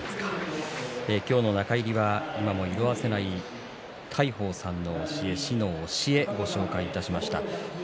今日の中入りは今も色あせない大鵬さんの「師の教え」、ご紹介しました。